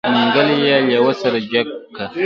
منګلی يې لېوه سره جګ که.